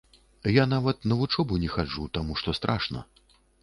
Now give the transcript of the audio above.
Я нават на вучобу не хаджу, таму што страшна.